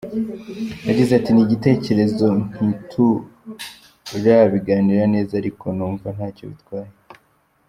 Yagize ati “Ni igiterezo ntiturabiganira neza ariko numva ntacyo bitwaye.